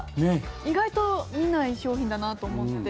意外と見ない商品だなと思って。